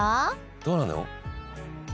どうなの？